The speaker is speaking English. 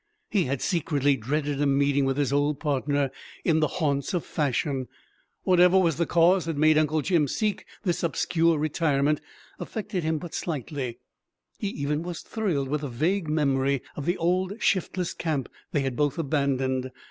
He had secretly dreaded a meeting with his old partner in the "haunts of fashion"; whatever was the cause that made Uncle Jim seek this obscure retirement affected him but slightly; he even was thrilled with a vague memory of the old shiftless camp they had both abandoned.